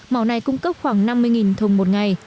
mỏ này cung cấp khoảng năm mươi thùng